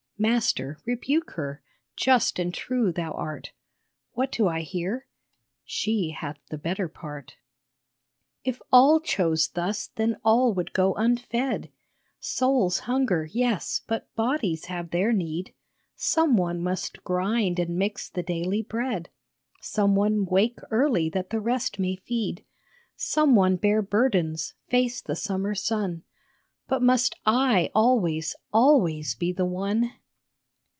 Master, rebuke her, just and true Thou art What do I hear? " She hath the better part." 12 MARTHA If all chose thus then all would go unfed Souls hunger, yes ! but bodies have their need. Some one must grind and mix the daily bread, Some one wake early that the rest may feed, Some one bear burdens, face the summer sun But must I always, always be the one